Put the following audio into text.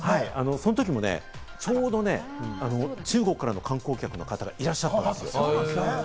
そのとき、ちょうど中国からの観光客の方いらしたんです。